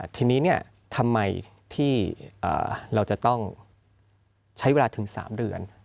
ทีนี้ทำไมที่เราจะต้องใช้เวลาถึง๓เดือน